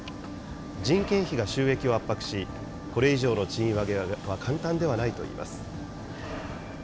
人件費が収益を圧迫し、これ以上の賃上げは簡単ではないといいます。